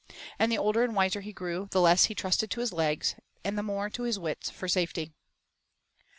And the older and wiser he grew the less he trusted to his legs, and the more to his wits for safety.